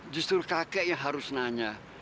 justru kakek yang harus nanya